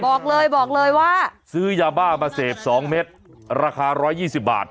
บอกเลยบอกเลยว่าซื้อยาบ้ามาหมดสองเม็ดราคาร้อยยี่สิบบาท